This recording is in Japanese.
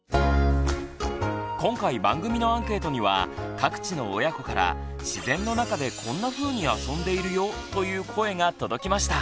今回番組のアンケートには各地の親子から自然の中でこんなふうにあそんでいるよ！という声が届きました。